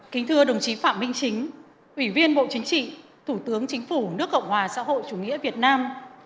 kính thưa đồng chí phạm minh chính ủy viên bộ chính trị thủ tướng chính phủ nước cộng hòa xã hội chủ nghĩa việt nam